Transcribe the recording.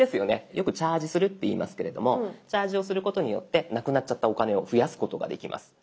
よく「チャージする」っていいますけれどもチャージをすることによってなくなっちゃったお金を増やすことができます。